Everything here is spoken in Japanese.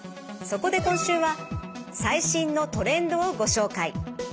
そこで今週は最新のトレンドをご紹介。